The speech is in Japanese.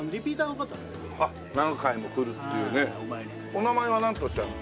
お名前はなんておっしゃるの？